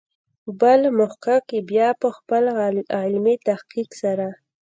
بل محقق بیا په خپل علمي تحقیق سره.